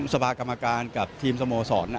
สภากรรมการกับทีมสโมสร